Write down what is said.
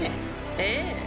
ええ。